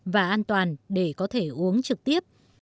và an toàn để có thể uống trực tiếp